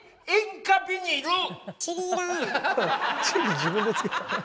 自分で付けた。